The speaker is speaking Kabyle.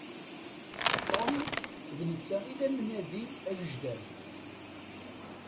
Tom, d netta i d amnadi agejdan.